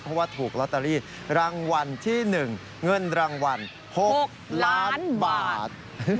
เพราะว่าถูกลอตเตอรี่รางวัลที่๑เงินรางวัล๖ล้านบาท